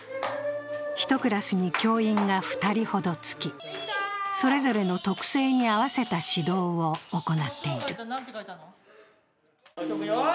１クラスに教員が２人ほどつき、それぞれの特性に合わせた指導を行っている。